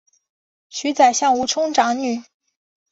娶宰相吴充长女。